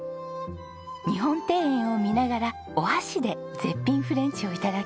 日本庭園を見ながらお箸で絶品フレンチを頂けます。